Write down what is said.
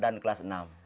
dan kelas enam